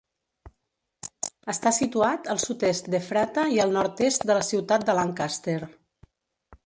Està situat al sud-est d'Efrata i al nord-est de la ciutat de Lancaster.